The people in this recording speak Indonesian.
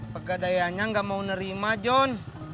pegadayanya enggak mau nerima john